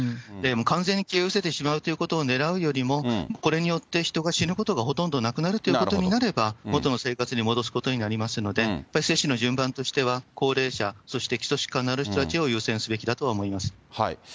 完全に消え失せてしまうということをねらうよりも、これによって人が死ぬことが、ほとんどなくなるということになれば、元の生活に戻すことになりますので、やっぱり接種の順番としては、高齢者、そして基礎疾患のある人たちを優先すべきだと思います。